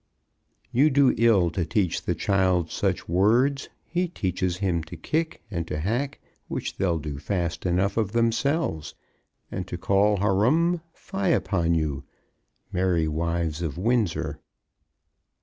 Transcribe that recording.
You do ill to teach the child such words; he teaches him to kick, and to hack, which they'll do fast enough of themselves; and to call horum; fye upon you! _Merry Wives of Windsor.